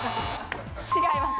違います。